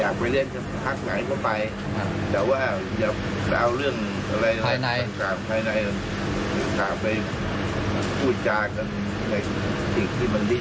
ก็เอาไปอยู่ภาคไหนก็ได้